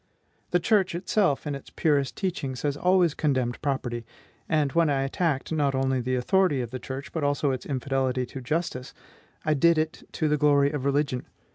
The church itself, in its purest teachings, has always condemned property; and when I attacked, not only the authority of the church, but also its infidelity to justice, I did it to the glory of religion.